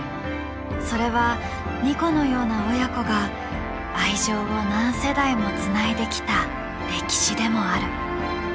それはニコのような親子が愛情を何世代もつないできた歴史でもある。